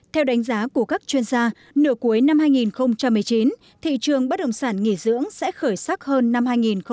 theo đánh giá của các chuyên gia nửa cuối năm hai nghìn một mươi chín thị trường bất động sản nghỉ dưỡng sẽ khởi sắc hơn năm hai nghìn một mươi chín